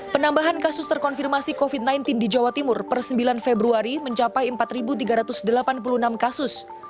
penambahan kasus terkonfirmasi covid sembilan belas di jawa timur per sembilan februari mencapai empat tiga ratus delapan puluh enam kasus